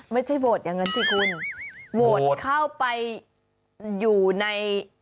ไม่ใช่โหวตอย่างนั้นสิคุณโหวตเข้าไปอยู่ใน